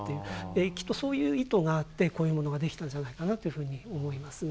きっとそういう意図があってこういうものができたんじゃないかなというふうに思いますね。